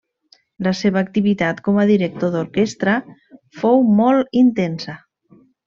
La seva activitat com a director d'orquestra fou molt intensa.